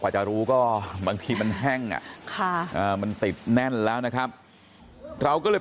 จะรู้ก็บางทีมันแห้งมันติดแน่นแล้วนะครับเราก็เลย